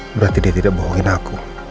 berarti dia tidak bohongin aku